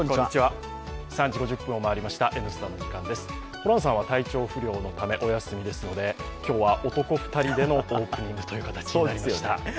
ホランさんは体調不良のためお休みですので今日は男２人でのオープニングという形になりました。